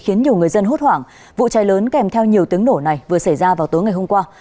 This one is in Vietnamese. khiến nhiều người dân hốt hoảng vụ cháy lớn kèm theo nhiều tiếng nổ này vừa xảy ra vào tối ngày hôm qua